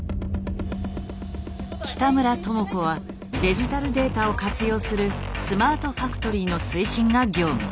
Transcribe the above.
北村智子はデジタルデータを活用するスマートファクトリーの推進が業務。